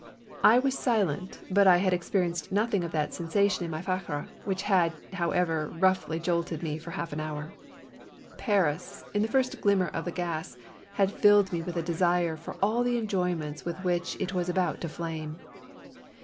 I was silent, but I had experienced nothing of that sensation in my fiacre, which had, however, roughly jolted me for half an hour. Paris, in the first glimmer of the gas, had filled me with a desire for all the er'joyments with which it was about to flame.